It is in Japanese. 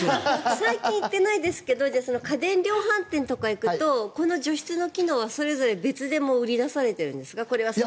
最近行ってないですけど家電量販店とか行くとこの除湿の機能はそれぞれ別で売り出されているんですか。